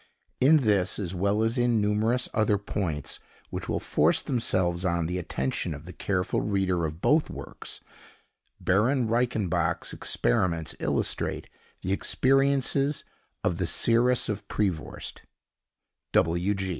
In this, as well as in numerous other points, which will force themselves on the attention of the careful reader of both works, Baron Reichenbach's experiments illustrate the experiences of the Seeress of Prevorst.